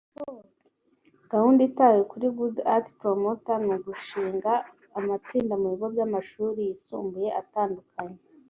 Gahunda itahiwe kuri « Good Act Promoters » ni ugushinga amatsinda mu bigo by’amashuri yisumbuye atandukanye